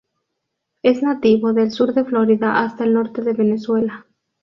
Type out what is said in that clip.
Es nativo del sur de Florida hasta el norte de Venezuela.